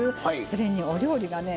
それにお料理がね